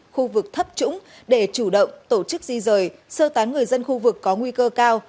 khu vực thấp trũng để chủ động tổ chức di rời sơ tán người dân khu vực có nguy cơ cao